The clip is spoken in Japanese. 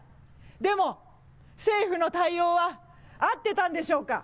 でも政府の対応は合ってたんでしょうか。